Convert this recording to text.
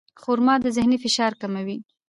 خرما د ذهني فشار کموي.